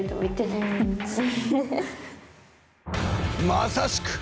まさしく！